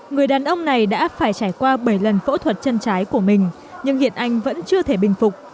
người đàn ông này đã phải trải qua bảy lần phẫu thuật chân trái của mình nhưng hiện anh vẫn chưa thể bình phục